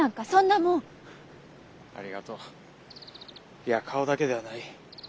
いや顔だけではない。